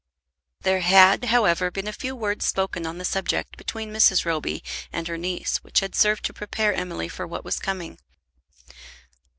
There had, however, been a few words spoken on the subject between Mrs. Roby and her niece which had served to prepare Emily for what was coming.